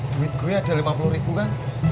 duit gue ada lima puluh ribu kan